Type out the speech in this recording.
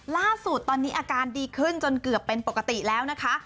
ล่าสุดตอนนี้อาการดีขึ้นจนเกือบเป็นปกติแล้วนะคะ